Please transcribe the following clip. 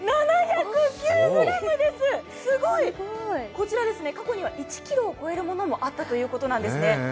こちら過去には１ｋｇを超えるものもあったということですね。